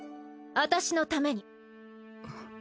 私のために。